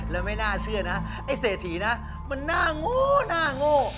แล้วไม่น่าเชื่อนะเศรษฐีมันน่างโง่